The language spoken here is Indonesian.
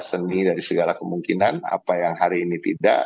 seni dari segala kemungkinan apa yang hari ini tidak